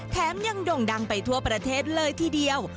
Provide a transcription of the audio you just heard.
แถมยังโด่งดังไปทั่วประเทศเลยทีเดียว